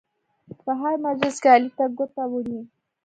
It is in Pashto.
په هر مجلس کې علي ته ګوته وړي.